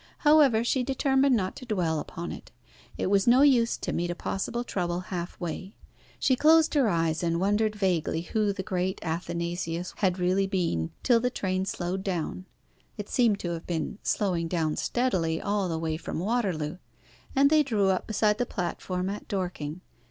However, she determined not to dwell upon it. It was no use to meet a possible trouble half way. She closed her eyes, and wondered vaguely who the great Athanasius had really been till the train slowed down it seemed to have been slowing down steadily all the way from Waterloo and they drew up beside the platform at Dorking.